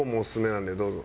なんでどうぞ。